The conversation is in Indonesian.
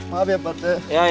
maaf ya pak rt